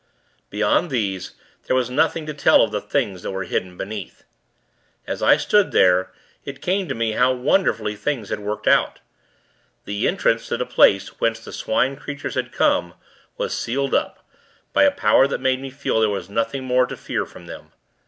Beyond these, there was nothing to tell of the things that were hidden beneath. As I stood there, it came to me how wonderfully things had worked out. The entrance to the place whence the Swine creatures had come, was sealed up, by a power that made me feel there was nothing more to fear from them.